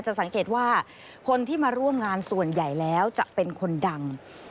สังเกตว่าคนที่มาร่วมงานส่วนใหญ่แล้วจะเป็นคนดัง